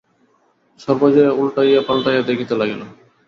সর্বজয়া উলটাইয়া পালটাইয়া দেখিতে লাগিল।